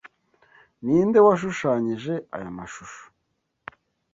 Ninde washushanyije aya mashusho?